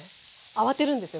慌てるんですよ